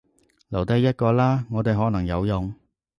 留低一個啦，我哋可能有用